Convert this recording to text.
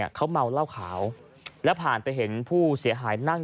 นำรถไปดาดจับอีกฝั่ง